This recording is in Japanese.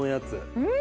うん！